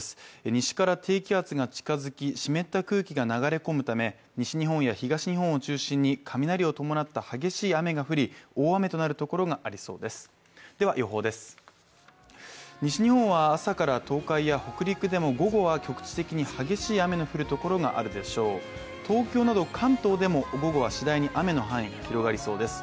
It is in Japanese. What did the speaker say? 西から低気圧が近づき、湿った空気が流れ込むため西日本や東日本を中心に雷を伴った激しい雨が降り大雨となるところがありそうです。